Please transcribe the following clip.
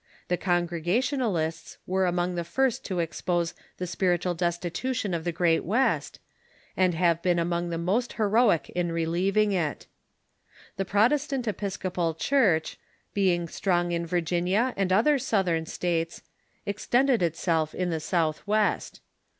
The Congregationalists Avere among the first to ex pose the spiritual destitution of the great West, and have been among the most heroic in relieving it. The Protestant Epis copal Church, being strong in Virginia and other Southern states, extended itself in the Southwest.